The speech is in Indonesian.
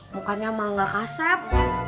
mukanya emang gak asep